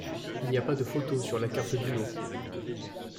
Il n'y a pas de photo sur la carte Duo.